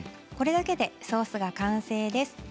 これだけでソースが完成です。